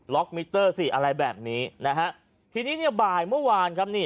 มิเตอร์สิอะไรแบบนี้นะฮะทีนี้เนี่ยบ่ายเมื่อวานครับนี่